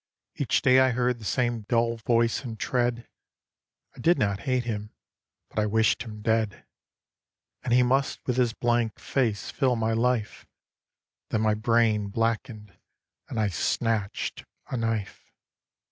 Each day I heard the same dull voice and tread; I did not hate him: but I wished him dead. And he must with his blank face fill my life Then my brain blackened; and I snatched a knife.